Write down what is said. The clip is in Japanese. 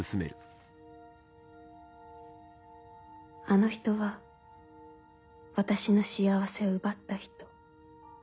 「あの人は私の幸せを奪った人。